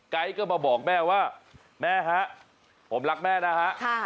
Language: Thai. ก็มาบอกแม่ว่าแม่ฮะผมรักแม่นะฮะ